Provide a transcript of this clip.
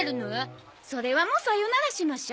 それはもうさよならしましょ。